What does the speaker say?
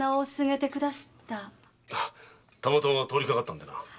たまたま通りかかったのでな。